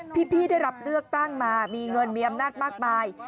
พี่ได้รับเลือกตั้งมามีเงินมีอำนาจมากมาย